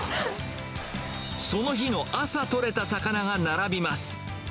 その日の朝取れた魚が並びます。